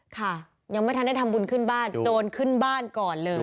ค่ะยังไม่ทันได้ทำบุญขึ้นบ้านโจรขึ้นบ้านก่อนเลย